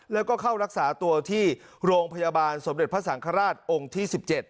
แล้วก็เข้ารักษาตัวที่โรงพยาบาลสมเด็จพระสังฆราชองค์ที่๑๗